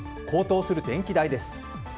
高騰する電気代です。